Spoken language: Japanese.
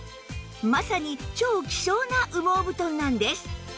まさに超希少な羽毛布団なんです